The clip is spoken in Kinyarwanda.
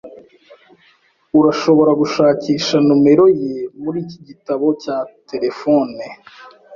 Urashobora gushakisha numero ye muri iki gitabo cya terefone.